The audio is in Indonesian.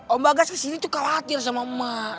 om bagas kesini tuh khawatir sama